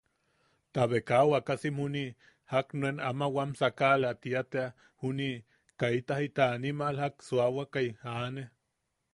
Tabe kaa wakasim juni jak nuen ama wam sakala tia tea junii, kaita jita animal jak suawakai aane.